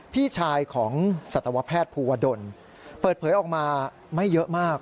พี่ชายของสัตวแพทย์ภูวดลเปิดเผยออกมาไม่เยอะมาก